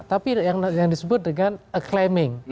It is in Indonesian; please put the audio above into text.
tapi yang disebut dengan aclaiming